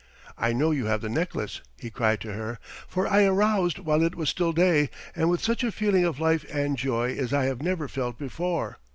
"I know you have the necklace," he cried to her, "for I aroused while it was still day, and with such a feeling of life and joy as I have never felt before."